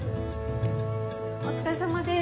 お疲れさまです。